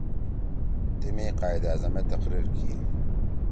تیمی قائداعظم ئے تقریر کی